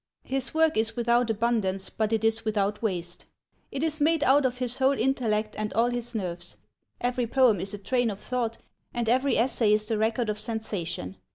His work is without abundance, but it is without waste. It is made out of his whole intellect and all his nerves. Every poem is a train of thought and every essay is the record of sensation.